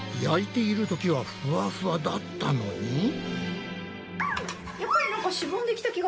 焼いているときはふわふわだったのに。